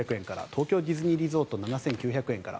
東京ディズニーリゾート７９００円から。